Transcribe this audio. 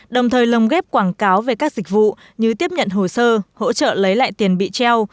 đồng thời lồng ghép quảng cáo về các dịch vụ như tiếp nhận hồ sơ hỗ trợ lấy lại tiền bị treo